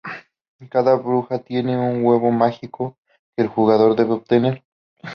Cada bruja tiene un huevo mágico que el jugador debe obtener.